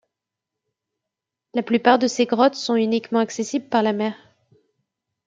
La plupart de ces grottes sont uniquement accessibles par la mer.